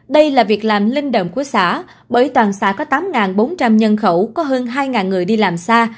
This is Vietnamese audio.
đây là việc làm linh đầm của xã bởi toàn xã có tám bốn trăm linh nhân khẩu có hơn hai người đi làm xa